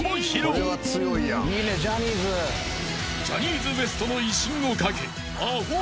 ［ジャニーズＷＥＳＴの威信をかけ］